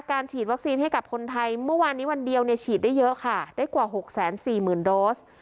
ฉีดวัคซีนให้กับคนไทยเมื่อวานนี้วันเดียวเนี่ยฉีดได้เยอะค่ะได้กว่า๖๔๐๐๐โดส